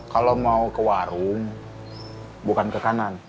kalau mau ke warung bukan ke kanan